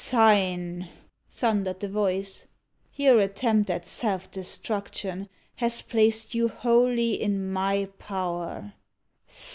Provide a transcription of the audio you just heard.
"Sign!" thundered the voice. "Your attempt at self destruction has placed you wholly in my power.